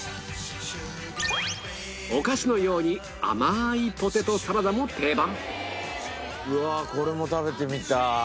お菓子のように甘いポテトサラダも定番